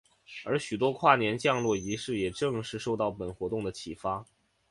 而许多跨年降落仪式也正是受到本活动的启发。